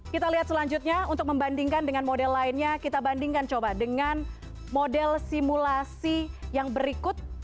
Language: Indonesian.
kita lihat selanjutnya untuk membandingkan dengan model lainnya kita bandingkan coba dengan model simulasi yang berikut